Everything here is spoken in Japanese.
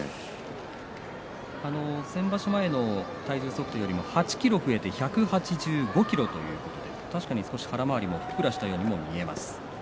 先場所前の体重測定よりも８ｋｇ増えて１８５ｋｇということで確かに少し腹回りもふっくらしたように見えます。